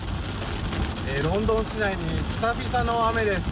ロンドン市内に久々の雨です。